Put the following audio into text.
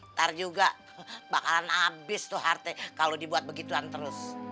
ntar juga bakalan habis tuh kalau dibuat begituan terus